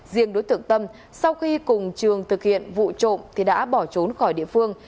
riêng đối tượng tâm sau khi cùng trường thực hiện vụ trộm thì đã bỏ trốn khỏi địa phương